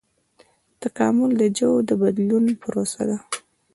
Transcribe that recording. تکامل د ژویو د بدلون پروسه ده